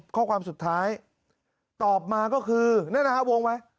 ข้อความสุดท้ายตอบมาก็คือแนะนำวงไหม